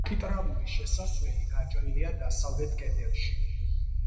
არქიტრავული შესასვლელი გაჭრილია დასავლეთ კედელში.